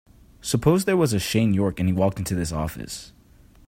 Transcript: Suppose there was a Shane York and he walked into this office.